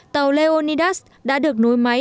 tàu leonidas đã được nối máy